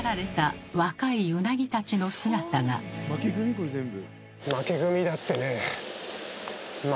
これ全部。